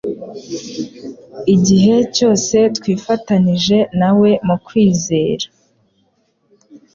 Igihe cyose twifatanije na we mu kwizera,